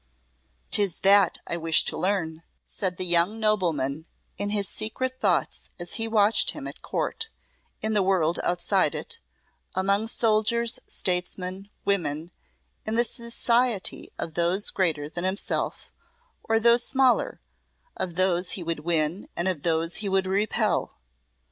"Tis that I wish to learn," said the young nobleman in his secret thoughts as he watched him at Court, in the world outside it, among soldiers, statesmen, women, in the society of those greater than himself, of those smaller, of those he would win and of those he would repel.